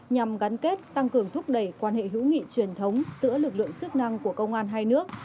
nhằm gắn kết tăng cường thúc đẩy quan hệ hữu nghị truyền thống giữa lực lượng chức năng của công an hai nước